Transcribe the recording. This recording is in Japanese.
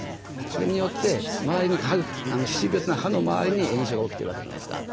それによって周りに歯周病というのは歯の周りに炎症が起きてるわけじゃないですか。